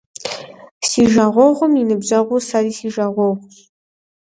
Си жагъуэгъум и ныбжьэгъур сэри си жагъуэгъущ.